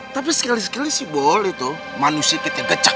tapi sekali sekali sih boleh tuh manusia kita gecek